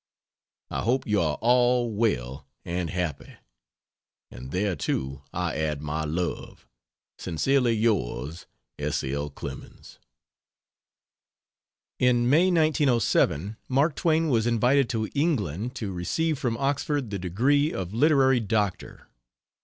I hope you are all well and happy; and thereto I add my love. Sincerely yours, S. L. CLEMENS. In May, 1907, Mark Twain was invited to England to receive from Oxford the degree of Literary Doctor.